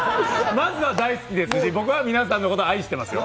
まずは大好きですし、僕は皆さんのこと愛してますよ。